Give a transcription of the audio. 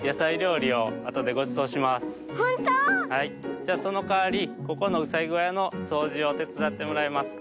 じゃそのかわりここのうさぎごやのそうじをてつだってもらえますか？